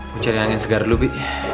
mau cari angin segar dulu bi